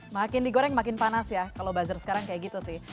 makin digoreng makin panas ya kalau buzzer sekarang kayak gitu sih